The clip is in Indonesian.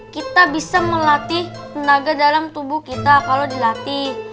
kita bisa melatih tenaga dalam tubuh kita kalau dilatih